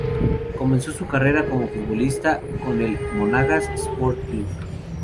Comenzó su carrera como futbolista con el Monagas Sport Club.